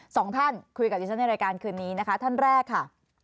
สองท่านคุยกับดิฉันในรายการคืนนี้นะคะท่านแรกค่ะ